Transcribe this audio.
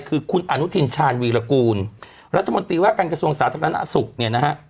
คือคุณอนุทินชาญวีรกูลรัฐมนตรีว่าการกระทรวงสาธารณสุขเนี่ยนะฮะ